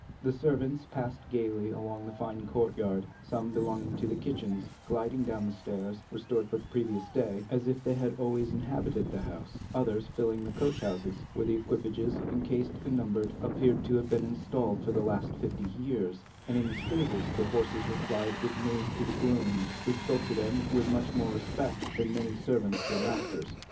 The servants passed gayly along the fine courtyard; some, belonging to the kitchens, gliding down the stairs, restored but the previous day, as if they had always inhabited the house; others filling the coach houses, where the equipages, encased and numbered, appeared to have been installed for the last fifty years; and in the stables the horses replied with neighs to the grooms, who spoke to them with much more respect than many servants pay their masters.